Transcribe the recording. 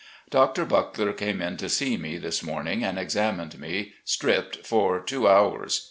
Dr. Buckler came in to see me this morning, and examined me, stripped, for two hours.